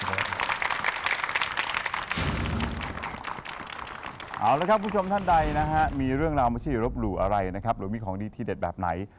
เอาละครับคุณผู้ชมท่านใดนะฮะมีเรื่องราวไม่ใช่รบหลู่อะไรนะครับหรือมีของดีที่เด็ดแบบไหน